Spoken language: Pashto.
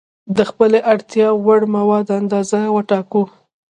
د خپلې اړتیا وړ موادو اندازه وټاکو.